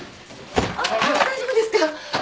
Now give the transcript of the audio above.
あっ大丈夫ですか？